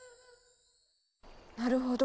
なるほど。